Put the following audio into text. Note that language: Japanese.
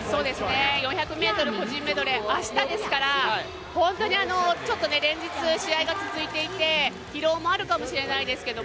４００ｍ個人メドレー、明日ですから本当にちょっと連日試合が続いていて疲労もあるかもしれないですけど